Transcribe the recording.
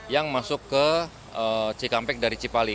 yang masuk ke cikampek dari cipali